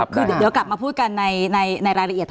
คือเดี๋ยวกลับมาพูดกันในรายละเอียด